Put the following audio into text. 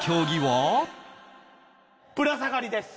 ぶら下がりです。